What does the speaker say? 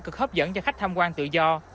cực hấp dẫn cho khách tham quan tự do